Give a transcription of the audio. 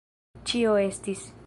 Ĉio estis.